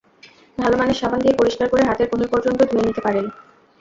ভালো মানের সাবান দিয়ে পরিষ্কার করে হাতের কনুই পর্যন্ত ধুয়ে নিতে পারেন।